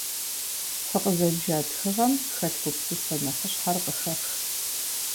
Фыкъызэджа тхыгъэм хэлъ гупсысэ нэхъыщхьэр къыхэфх.